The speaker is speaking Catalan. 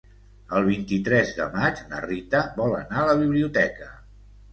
El vint-i-tres de maig na Rita vol anar a la biblioteca.